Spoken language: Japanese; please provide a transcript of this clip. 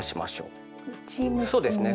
そうですね。